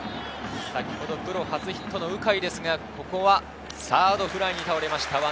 先ほどプロ初ヒットの鵜飼ですがここはサードフライに倒れました。